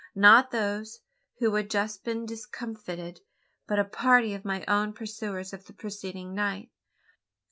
Not those who had just been discomfited; but a party of my own pursuers of the preceding night.